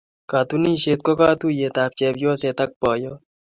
Katunisyet ko katuyet ap chepyoset ak poyot.